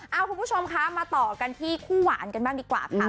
เอาคุณผู้ชมคะมาต่อกันที่คู่หวานกันบ้างดีกว่าค่ะ